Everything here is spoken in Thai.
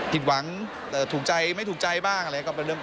หวังถูกใจไม่ถูกใจบ้างอะไรอย่างนี้